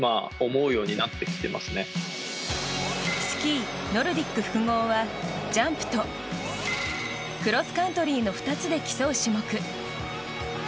スキー・ノルディック複合はジャンプとクロスカントリーの２つで競う種目。